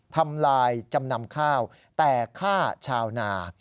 ทำลายจำนำข้าวแต่ฆ่าชาวนา